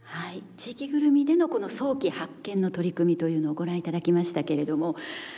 地域ぐるみでの早期発見の取り組みというのをご覧頂きましたけれども竹山さん